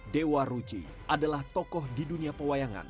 dewa ruci adalah tokoh di dunia pewayangan